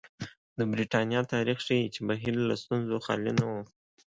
د برېټانیا تاریخ ښيي چې بهیر له ستونزو خالي نه و.